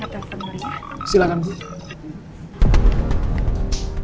sebentar saya angkat telepon dulu ya